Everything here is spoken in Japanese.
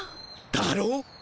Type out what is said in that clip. だろ？